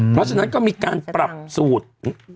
เพราะฉะนั้นก็มีการปรับสูตร